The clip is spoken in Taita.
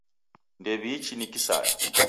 Ndew'iichi ni kisaya.